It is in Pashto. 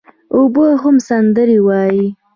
اوبه هم سندري وايي.